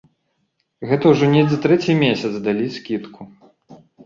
Гэта ўжо недзе трэці месяц далі скідку.